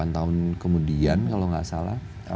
delapan tahun kemudian kalau nggak salah